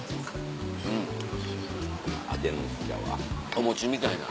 お餅みたいな。